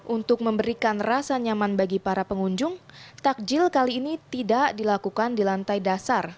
untuk memberikan rasa nyaman bagi para pengunjung takjil kali ini tidak dilakukan di lantai dasar